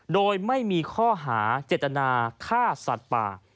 โดยไม่มีข้อหาเจตนาฆ่าสัตว์ป่า